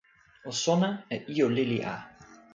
o sona e ijo lili a.